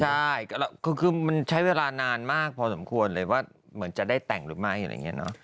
ใช่คือมันใช้เวลานานมากพอสมควรเลยว่าเหมือนจะได้แต่งหรือไม่อะไรอย่างนี้เนอะ